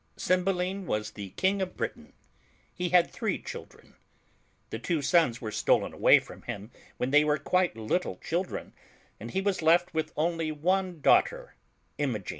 CYMBELINE was the King of Britain. He had three children. The two sons were stolen away from him when they were quite little children, and he was left with only one daughter, Imogen.